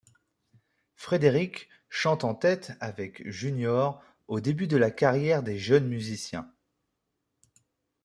Frederick chante en tête avec Junior au début de la carrière des jeunes musiciens.